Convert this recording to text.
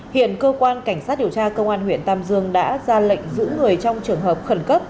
hiện cơ quan cảnh sát điều tra công an huyện tam dương đã ra lệnh giữ người trong trường hợp khẩn cấp